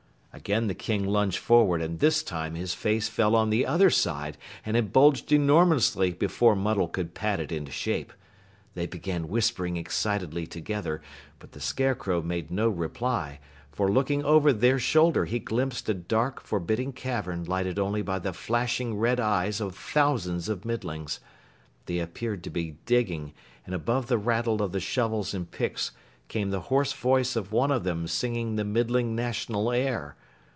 Again the King lunged forward, and this time his face fell on the other side and had bulged enormously before Muddle could pat it into shape. They began whispering excitedly together, but the Scarecrow made no reply, for looking over their shoulder he glimpsed a dark, forbidding cavern lighted only by the flashing red eyes of thousands of Middlings. They appeared to be digging, and above the rattle of the shovels and picks came the hoarse voice of one of them singing the Middling National Air.